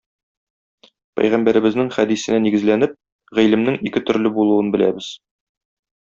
Пәйгамбәребезнең хәдисенә нигезләнеп, гыйлемнең ике төрле булуын беләбез.